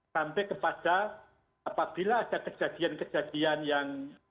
sampai kepada apabila ada kejadian kejadian yang